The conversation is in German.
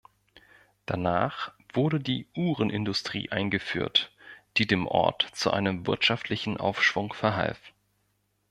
Danach wurde die Uhrenindustrie eingeführt, die dem Ort zu einem wirtschaftlichen Aufschwung verhalf.